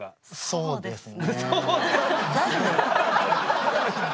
そうですね。